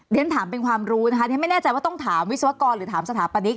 เรียนถามเป็นความรู้นะคะเรียนไม่แน่ใจว่าต้องถามวิศวกรหรือถามสถาปนิก